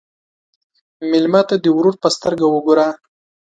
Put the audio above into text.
مېلمه ته د ورور په سترګه وګوره.